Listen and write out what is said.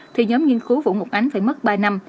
thì nhóm nghiên cứu vũ ngọc ánh phải mất ba năm